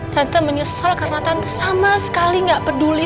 tante menyesal karena tante sama sekali nggak peduli